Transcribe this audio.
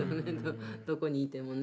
どこにいてもね。